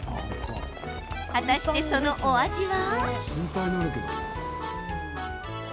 果たして、そのお味は？